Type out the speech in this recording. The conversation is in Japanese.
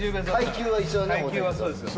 階級はそうですよ